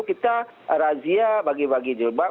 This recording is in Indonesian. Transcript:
kita razia bagi bagi jilbab